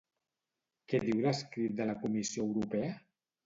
Què diu l'escrit de la Comissió Europea?